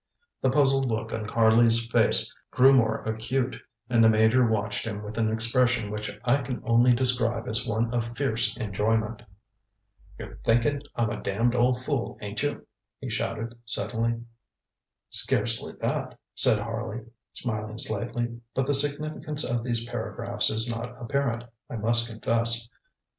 ŌĆØ The puzzled look on Harley's face grew more acute, and the Major watched him with an expression which I can only describe as one of fierce enjoyment. ŌĆ£You're thinkin' I'm a damned old fool, ain't you? ŌĆØ he shouted suddenly. ŌĆ£Scarcely that, ŌĆØ said Harley, smiling slightly, ŌĆ£but the significance of these paragraphs is not apparent, I must confess.